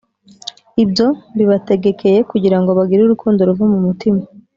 Ibyo mbibategekeye kugira ngo bagire urukundo ruva mu mutima